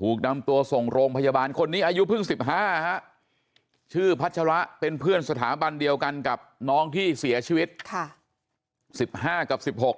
ถูกนำตัวส่งโรงพยาบาลคนนี้อายุเพิ่ง๑๕ชื่อพัชระเป็นเพื่อนสถาบันเดียวกันกับน้องที่เสียชีวิต๑๕กับ๑๖